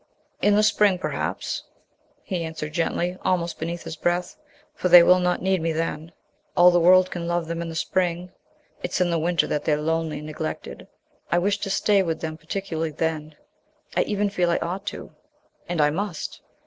"In the spring perhaps," he answered gently, almost beneath his breath. "For they will not need me then. All the world can love them in the spring. It's in the winter that they're lonely and neglected. I wish to stay with them particularly then. I even feel I ought to and I must."